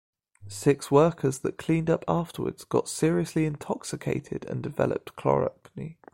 Six workers that cleaned up afterwards got seriously intoxicated and developed chloracne.